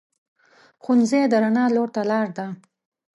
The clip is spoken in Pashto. ښوونځی د رڼا لور ته لار ده